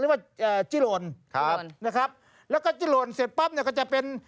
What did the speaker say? เรียกว่าอ่าจิโรนครับนะครับแล้วก็จิโรนเสร็จปั๊บเนี้ยก็จะเป็น